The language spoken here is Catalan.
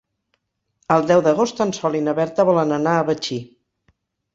El deu d'agost en Sol i na Berta volen anar a Betxí.